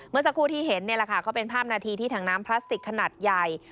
เมื่อสักครู่ที่เห็นก็เป็นภาพนาธิที่ถังน้ำพลาสติกขนาดใหญ่